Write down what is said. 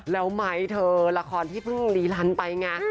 แล้วไม้เธอละครที่เพิ่งลีลันไปไง